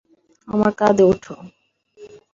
আমার কাঁধে ওঠো।